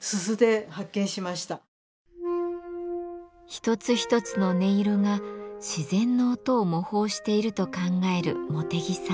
一つ一つの音色が自然の音を模倣していると考える茂手木さん。